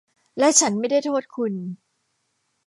และฉันไม่ได้โทษคุณ